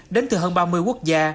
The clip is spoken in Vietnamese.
đến từ hơn ba mươi quốc gia